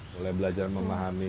mulai belajar memahami